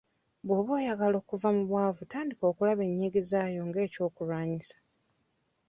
Bw'oba oyagala okuva mu bwavu tandika okulaba ennyingizaayo nga eky'okulwanisa.